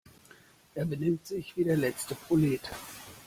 Er benimmt sich wie der letzte Prolet.